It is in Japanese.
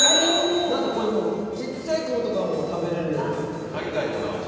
これちっちゃい子とかも食べれそうな。